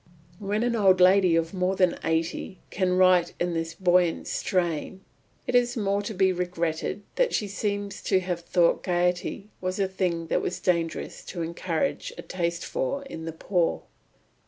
When an old lady of more than eighty can write in this buoyant strain, it is the more to be regretted that she seemed to have thought gaiety was a thing it was dangerous to encourage a taste for in the poor.